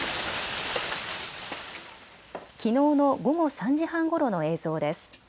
きのうの午後３時半ごろの映像です。